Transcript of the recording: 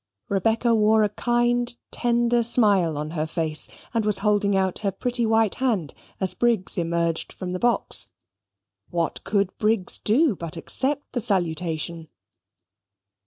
Rebecca wore a kind, tender smile on her face, and was holding out her pretty white hand as Briggs emerged from the box. What could Briggs do but accept the salutation?